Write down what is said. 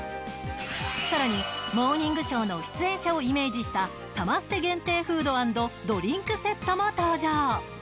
更に「モーニングショー」の出演者をイメージしたサマステ限定フード＆ドリンクセットも登場。